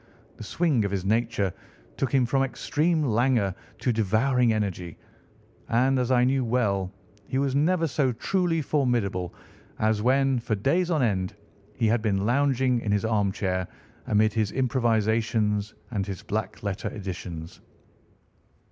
The swing of his nature took him from extreme languor to devouring energy; and, as I knew well, he was never so truly formidable as when, for days on end, he had been lounging in his armchair amid his improvisations and his black letter editions.